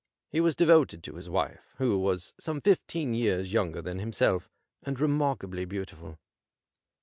He was devoted to his wife, who was some fifteen years younger than himself, and remarkably beautiful.